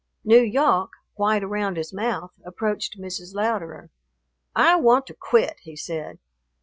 N'Yawk, white around his mouth, approached Mrs. Louderer. "I want to quit," he said.